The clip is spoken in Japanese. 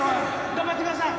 頑張って下さい。